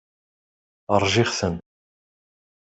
Ṛjiɣ-ten.